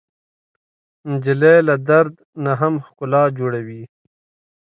نجلۍ له درد نه هم ښکلا جوړوي.